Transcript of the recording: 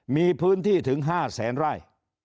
มีพื้นที่ถึง๕แสนไร่